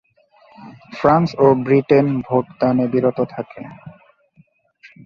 France ও Britain vote দানে বিরত থাকে।